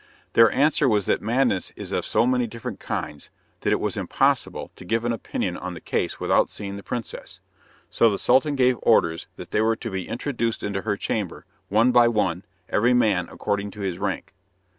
Their answer was that madness is of so many different kinds that it was impossible to give an opinion on the case without seeing the princess, so the Sultan gave orders that they were to be introduced into her chamber, one by one, every man according to his rank.